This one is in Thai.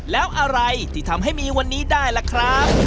แล้วอะไรที่ทำให้มีวันนี้ได้ล่ะครับ